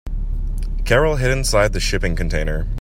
Carol hid inside the shipping container.